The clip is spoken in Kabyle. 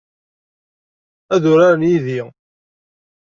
Ad uraren yid-i?